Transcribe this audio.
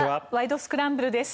スクランブル」です。